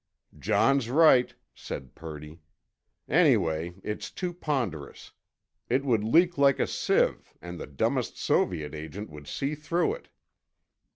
"John's right," said Purdy. "Anyway, it's too ponderous. It would leak like a sieve, and the dumbest Soviet agent would see through it."